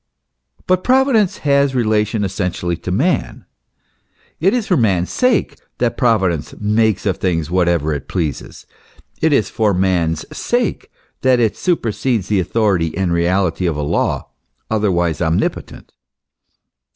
But Providence has relation essentially to man. It is for man's sake that Providence makes of things whatever it pleases : it is for man's sake that it supersedes the authority and reality of a law otherwise omnipotent.